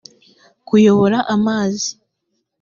kuyobora amazi